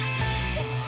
あっ。